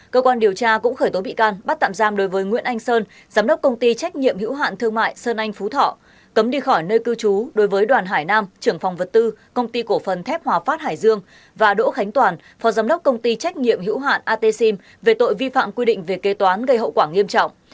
cơ quan điều tra cũng khởi tố bị can bắt tạm giam đối với nguyễn anh sơn giám đốc công ty trách nhiệm hữu hạn thương mại sơn anh phú thọ cấm đi khỏi nơi cư trú đối với đoàn hải nam trưởng phòng vật tư công ty cổ phần thép hòa phát hải dương và đỗ khánh toàn phó giám đốc công ty trách nhiệm hữu hạn atexim về tội vi phạm quy định về kế toán gây hậu quả nghiêm trọng